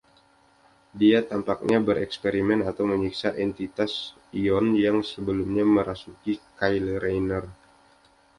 Dia tampaknya bereksperimen atau menyiksa entitas Ion yang sebelumnya merasuki Kyle Rayner.